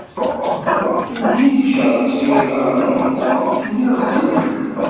Ndin ticerket i yiḍarren-iw, kniɣ si lhemm.